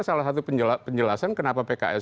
salah satu penjelasan kenapa pks